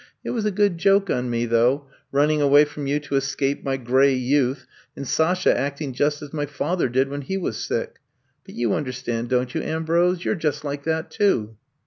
It was a good joke on me, though, running away from you to escape ^7 gray youth, and Sasha acting just as my father did when he was sick. But you understand, don't you, Ambrose? You 're just like that, too.